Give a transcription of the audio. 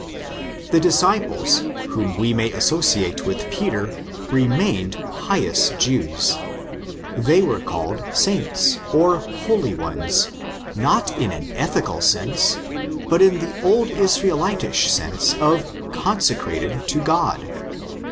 The disciples, whom we may associate with Peter, remained pious Jews. They were called "saints" or holy ones," not in an ethical sense, but in the Old Israelitish sense of '' consecrated to God."